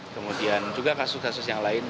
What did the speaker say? kemudian juga kasus kasus yang lain